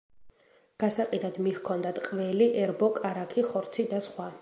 გასაყიდად მიჰქონდათ ყველი, ერბო, კარაქი, ხორცი და სხვა.